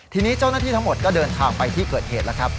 ทีนี้เจ้าหน้าที่ทั้งหมดก็เดินทางไปที่เกิดเหตุแล้วครับ